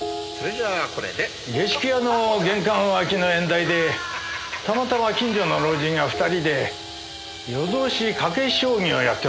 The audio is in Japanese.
下宿屋の玄関脇の縁台でたまたま近所の老人が２人で夜通し賭け将棋をやっておったんです。